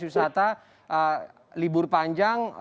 wisata libur panjang